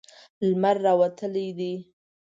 لمر راوتلی ده